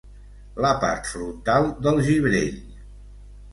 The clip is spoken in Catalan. La part frontal del gibrell.